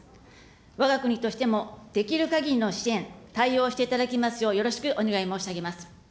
わが国としてもできるかぎりの支援、対応をしていただきますよう、よろしくお願い申し上げます。